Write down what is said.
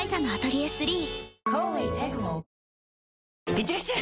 いってらっしゃい！